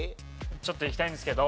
ちょっといきたいんですけど。